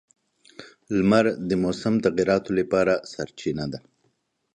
• لمر د موسم تغیراتو لپاره سرچینه ده.